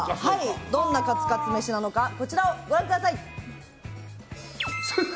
どんなカツカツ飯なのかこちら、ご覧ください。